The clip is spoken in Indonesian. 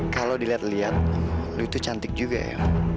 kalau dilihat lihat lu itu cantik juga ya